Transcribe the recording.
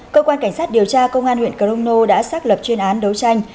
cơ quan cảnh sát điều tra công an huyện crono đã xác lập chuyên án đấu tranh